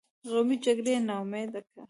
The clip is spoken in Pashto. قومي جرګې یې نا امیده کړې.